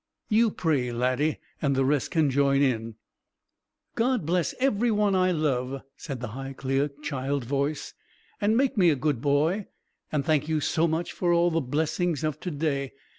"You pray, Laddie, and the rest can join in." "God bless every one I love," said the high, clear child voice. "And make me a good boy, and thank You so much for all the blessings of to day.